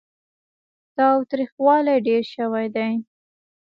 تاوتريخوالی ډېر شوی دی.